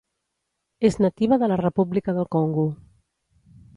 És nativa de la República del Congo.